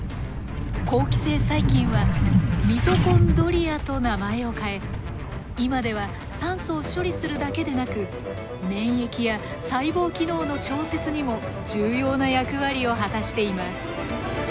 好気性細菌はミトコンドリアと名前を変え今では酸素を処理するだけでなく免疫や細胞機能の調節にも重要な役割を果たしています。